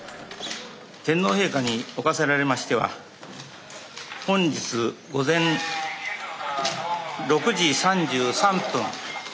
天皇陛下におかせられましては本日午前６時３３分